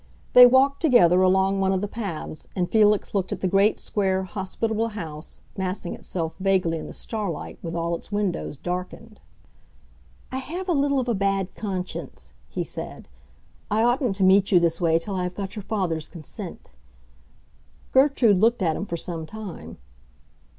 They walked together along one of the paths, and Felix looked at the great, square, hospitable house, massing itself vaguely in the starlight, with all its windows darkened. "I have a little of a bad conscience," he said. "I oughtn't to meet you this way till I have got your father's consent." Gertrude looked at him for some time.